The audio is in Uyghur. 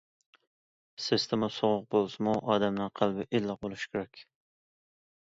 سىستېما سوغۇق بولسىمۇ، ئادەمنىڭ قەلبى ئىللىق بولۇشى كېرەك.